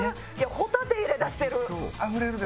ホタテ入れだしてる。